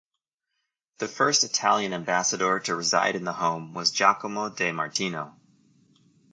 The first Italian ambassador to reside in the home was Giacomo De Martino.